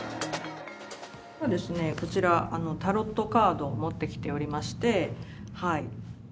こちら、タロットカードを持ってきておりまして。